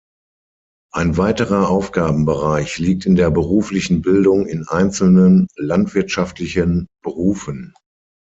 Ein weiterer Aufgabenbereich liegt in der beruflichen Bildung in einzelnen landwirtschaftlichen Berufen.